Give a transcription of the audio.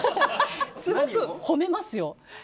すごく褒めますよ。